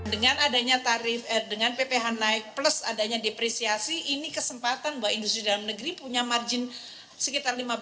dengan adanya tarif dengan pph naik plus adanya depresiasi ini kesempatan bahwa industri dalam negeri punya margin sekitar lima puluh